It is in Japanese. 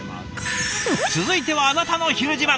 続いては「あなたのひる自慢」。